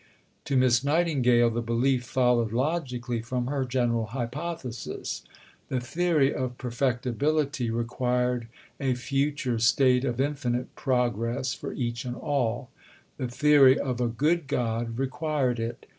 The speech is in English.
To Miss Nightingale the belief followed logically from her general hypothesis. The theory of Perfectibility required a future state of infinite progress for each and all; the theory of a good God required it.